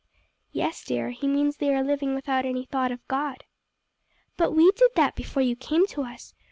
"Yes, dear, he means they are living without any thought of God." "But we did that before you came to us.